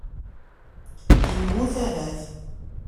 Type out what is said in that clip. Immut ahat.